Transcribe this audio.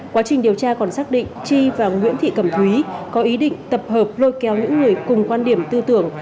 quá trình điều tra còn xác định chi và nguyễn thị cẩm thúy có ý định tập hợp lôi kéo những người cùng quan điểm tư tưởng